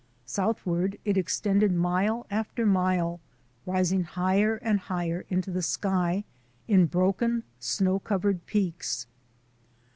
Southward it extended mile after mile, rising higher and higher into the sky in broken, snow covered peaks.